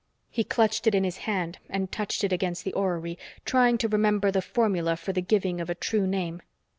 He clutched it in his hand and touched it against the orrery, trying to remember the formula for the giving of a true name.